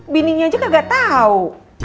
bininya aja kagak tau